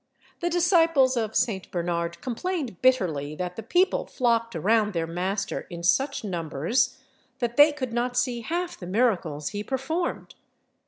The disciples of St. Bernard complained bitterly that the people flocked around their master in such numbers, that they could not see half the miracles he performed.